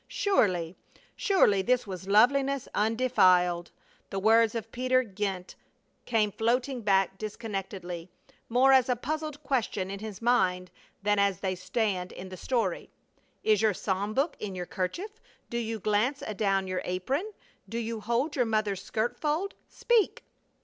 Surely, surely, this was loveliness undefiled. The words of Peer Gynt came floating back disconnectedly, more as a puzzled question in his mind than as they stand in the story: "Is your psalm book in your 'kerchief? Do you glance adown your apron? Do you hold your mother's skirt fold? Speak!"